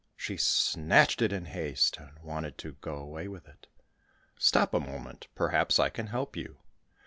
She snatched it in haste, and wanted to go away with it. "Stop a moment, perhaps I can help you."